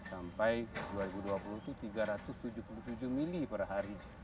sampai dua ribu dua puluh itu tiga ratus tujuh puluh tujuh mili per hari